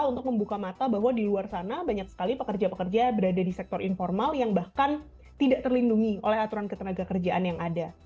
untuk membuka mata bahwa di luar sana banyak sekali pekerja pekerja berada di sektor informal yang bahkan tidak terlindungi oleh aturan ketenaga kerjaan yang ada